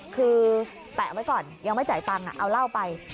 คือแปะไว้ก่อนยังไม่จ่ายตังค์เอาเหล้าไป